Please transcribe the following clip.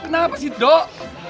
kenapa sih doh